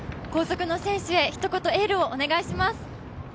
後続の選手へ、ひと言エールをお願いします。